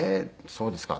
そうですか」